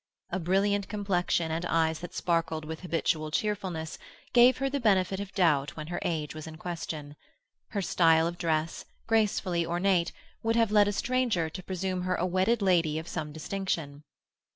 A brilliant complexion and eyes that sparkled with habitual cheerfulness gave her the benefit of doubt when her age was in question; her style of dress, gracefully ornate, would have led a stranger to presume her a wedded lady of some distinction.